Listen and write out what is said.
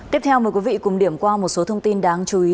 tiếp theo mời quý vị cùng điểm qua một số thông tin đáng chú ý